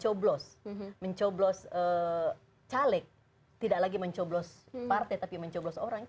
bahwa pemilihan presiden langsung itu kemudian mencoblos codelik tidak lagi mencoblos partai tetapi mencoblos orang